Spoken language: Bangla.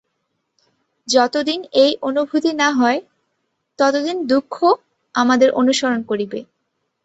যতদিন এই অনুভূতি না হয়, ততদিন দুঃখ আমাদের অনুসরণ করিবে।